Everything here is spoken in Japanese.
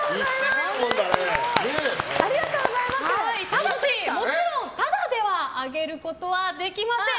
ただし、もちろんタダではあげることできません。